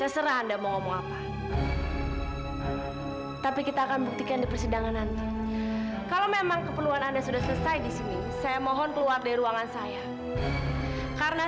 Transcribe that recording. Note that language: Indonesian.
sampai jumpa di video selanjutnya